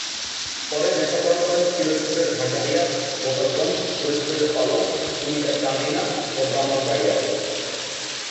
পরে লেখাপড়া করেন পিরোজপুরের ভান্ডারিয়া, গোপালগঞ্জ, ফরিদপুরের পালং, কুমিল্লার চান্দিনা ও ব্রাহ্মণবাড়িয়ায়।